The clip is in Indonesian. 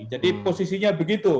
jadi posisinya begitu